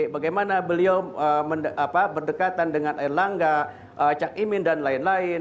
bagaimana beliau berdekatan dengan erlangga cak imin dan lain lain